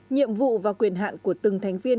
nhiệm vụ và quyền hạn của từng thành viên